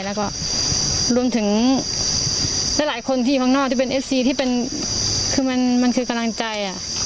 แล้วก็รวมถึงหลายคนที่ข้างนอกที่เป็นเอฟซีที่เป็นคือมันคือกำลังใจ